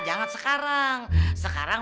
jangan sekarang sekarang